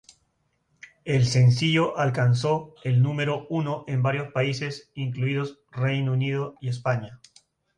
El sencillo alcanzó el número uno en varios países, incluidos Reino Unido y España.